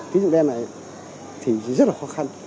tín dụng đen này thì rất là khó khăn